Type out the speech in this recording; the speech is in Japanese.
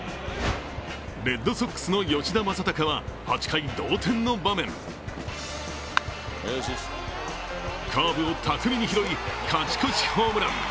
レッドソックスの吉田正尚は８回、同点の場面カーブを巧みに拾い、勝ち越しホームラン。